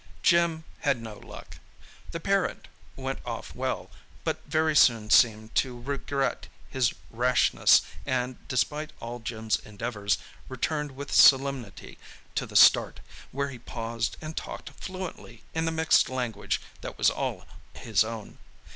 Jim had no luck. The parrot went off well, but very soon seemed to regret his rashness and, despite all Jim's endeavours, returned with solemnity to the start, where he paused and talked fluently in the mixed language that was all his own.